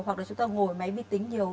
hoặc là chúng ta ngồi máy vi tính nhiều